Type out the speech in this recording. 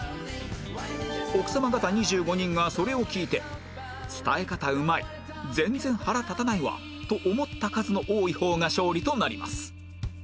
奥さま方２５人がそれを聞いて伝え方うまい全然腹立たないわと思った数の多い方が勝利となります